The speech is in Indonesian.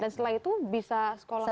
dan setelah itu bisa sekolah lagi